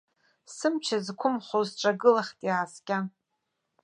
Сымч зқәымхо сҿагылахт иааскьан.